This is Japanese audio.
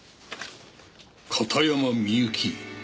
「片山みゆき」。